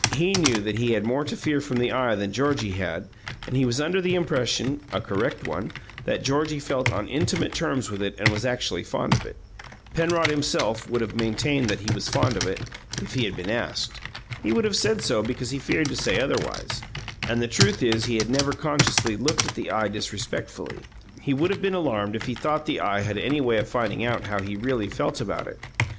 He knew that he had more to fear from the Eye than Georgie had, and he was under the impression (a correct one) that Georgie felt on intimate terms with it and was actually fond of it. Penrod himself would have maintained that he was fond of it, if he had been asked. He would have said so because he feared to say otherwise; and the truth is that he never consciously looked at the Eye disrespectfully. He would have been alarmed if he thought the Eye had any way of finding out how he really felt about it.